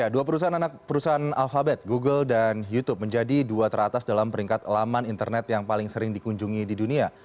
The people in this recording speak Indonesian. dua perusahaan anak perusahaan alfabet google dan youtube menjadi dua teratas dalam peringkat laman internet yang paling sering dikunjungi di dunia